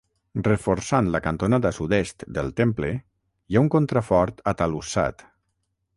Reforçant la cantonada sud-est del temple hi ha un contrafort atalussat.